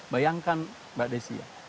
bayangkan mbak desia